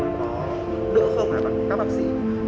nó đỡ không hả các bác sĩ